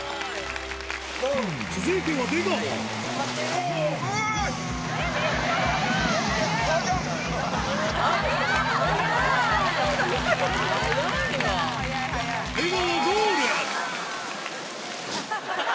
続いては出川出川